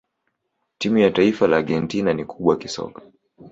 timu ya taifa la argentina ni kubwa kisoka